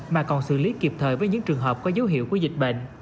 mà còn xử lý kịp thời với những trường hợp có dấu hiệu của dịch bệnh